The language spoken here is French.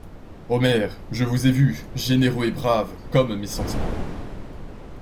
Omer, je vous ai vu, généreux et brave comme mes sentiments.